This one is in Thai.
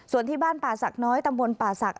ส่วนที่บ้านป่าสักน้อยตำบลป่าสัก